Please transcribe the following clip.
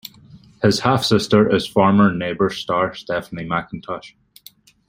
His half-sister is former "Neighbours" star Stephanie McIntosh.